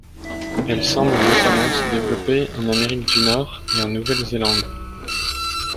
Elle semble notamment se développer en Amérique du Nord et en Nouvelle-Zélande.